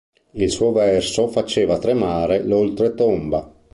Il suo verso faceva tremare l'oltretomba.